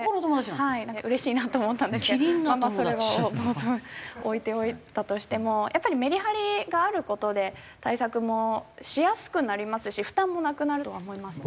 まあまあそれは置いておいたとしてもやっぱりメリハリがある事で対策もしやすくなりますし負担もなくなるとは思います。